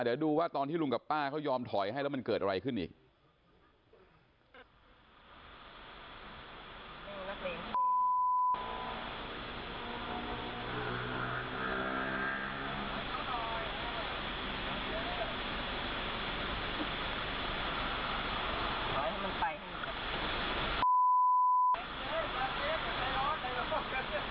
เดี๋ยวดูว่าตอนที่ลุงกับป้าเขายอมถอยให้แล้วมันเกิดอะไรขึ้นอีก